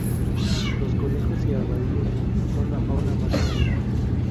Los conejos y armadillos son la fauna más pequeña.